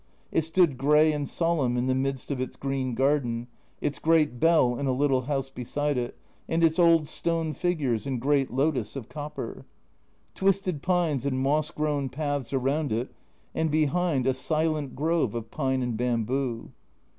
It stood grey and solemn in the midst of its green garden, its great bell in a little house beside it, and its old stone figures and great lotus of copper. Twisted pines and moss grown paths around it, and behind a silent grove of pine and bamboo.